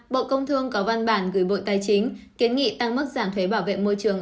bộ công thương có văn bản gửi bộ tài chính kiến nghị tăng mức giảm thuế bảo vệ môi trường